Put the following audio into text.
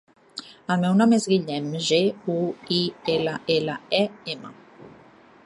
El meu nom és Guillem: ge, u, i, ela, ela, e, ema.